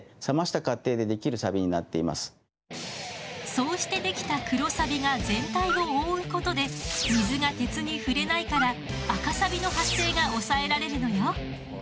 そうしてできた黒サビが全体を覆うことで水が鉄に触れないから赤サビの発生が抑えられるのよ。